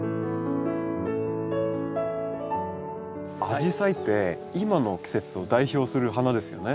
アジサイって今の季節を代表する花ですよね。